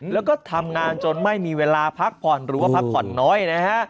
แล้วก็ทำงานจนไม่มีเวลาพักผ่อนหรือว่าพักผ่อนน้อยนะฮะ